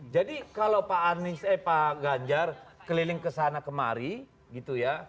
jadi kalau pak anies eh pak ganjar keliling kesana kemari gitu ya